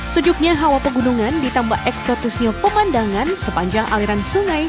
sejuknya hawa pegunungan ditambah eksotisnya pemandangan sepanjang aliran sungai